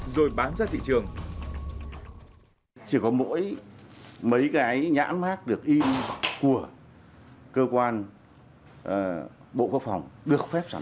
rồi bán ra thị trường chỉ có mỗi mấy cái nhãn mát được in của cơ quan bộ quốc phòng được phép sản